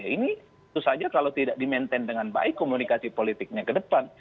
ini susah saja kalau tidak di maintain dengan baik komunikasi politiknya